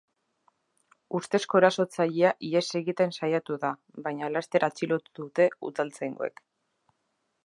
Ustezko erasotzailea ihes egiten saiatu da, baina laster atxilotu dute udaltzaingoek.